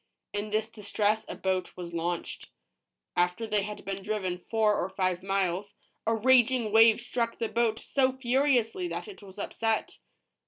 In this distress a boat was launched. After they had been driven four or five miles, a raging wave struck the boat so furiously that it was upset.